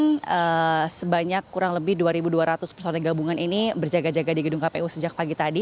dan sebanyak kurang lebih dua dua ratus personel gabungan ini berjaga jaga di gedung kpu sejak pagi tadi